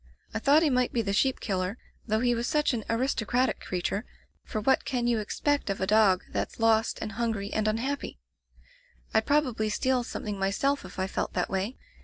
I thought he might be the sheep killer, though he was such an aristocratic creature, for what can you expect of a dog that's lost and hun gry and unhappy ? Fd probably steal some thing myself if I felt that way.